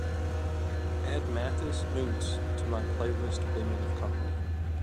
Add Mathis Mootz to my playlist women of comedy